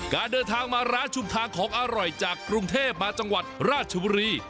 การเดินทางมาร้านชุมทางของอร่อยจากกรุงเทพมาจังหวัดราชบุรี